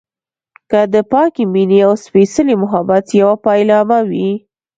که د پاکې مينې او سپیڅلي محبت يوه پيلامه وي.